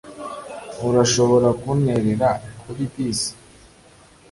Urashobora kunterera kuri bisi?